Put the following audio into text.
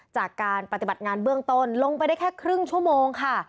จากการปฏิบัติงานเบื้องต้นลงไปได้แค่ครึ่งชั่วโมงค่ะ